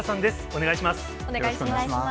お願いします。